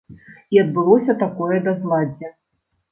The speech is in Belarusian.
І адбылося такое бязладдзе.